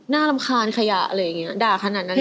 น่าร่ำคาญขยะอะไรอย่างเงี้ยด่าขนาดนั้นเลย